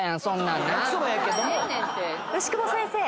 牛窪先生。